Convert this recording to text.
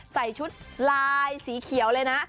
ใส่ชุดลายสีเขียวเลยนะ